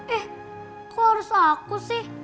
eh kok harus aku sih